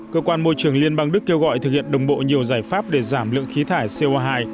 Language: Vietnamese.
cơ quan môi trường liên bang đức kêu gọi thực hiện đồng bộ nhiều giải pháp để giảm lượng khí thải co hai